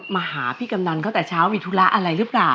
มาหาพี่กำนันตั้งแต่เช้ามีธุระอะไรหรือเปล่า